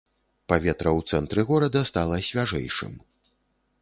Паветра ў цэнтры горада стала свяжэйшым.